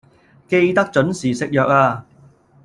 記得準時食藥呀